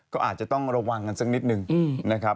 ก็อาจจะต้องระวังกันสักนิดนึงนะครับ